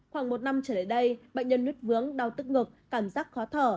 khoảng một năm trở lại đây bệnh nhân nứt vướng đau tức ngực cảm giác khó thở